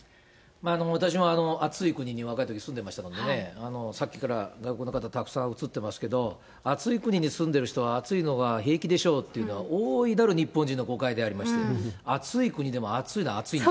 私も暑い国に若いとき住んでいましたのでね、さっきから外国の方、たくさん映ってますけど、暑い国に住んでる人は、暑いのが平気でしょうっていうのは、大いなる日本人の誤解でありまして、暑い国でも暑いのは暑いです。